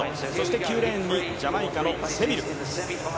９レーンにジャマイカのセビル。